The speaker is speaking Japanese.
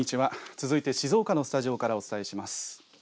続いて、静岡のスタジオからお伝えします。